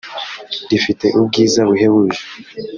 rifite ubwiza buhebuje